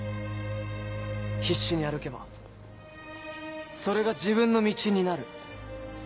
必死に歩けばそれが自分の道になる。